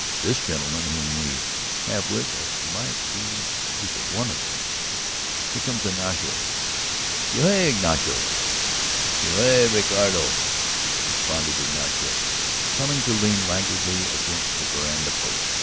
This gentleman whom we have with us might be either one of them. ... Here comes Ignacio. Que hay, Ignacio!" "Que hay, Roderico?" responded Ignacio, coming to lean languidly against the veranda post.